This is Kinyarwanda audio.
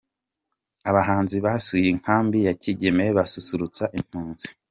abahanzi basuye inkambi ya Kigeme basusurutsa impunzi